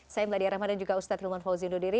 saya mladia rahman dan juga ustadz hilman fauzi undodiri